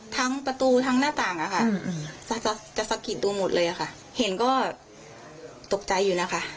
ทั้งประตูทั้งหน้าต่างอะค่ะจะสะกิดดูหมดเลยค่ะเห็นก็ตกใจอยู่นะคะ